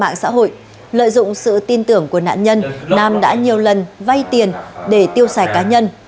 mạng xã hội lợi dụng sự tin tưởng của nạn nhân nam đã nhiều lần vay tiền để tiêu xài cá nhân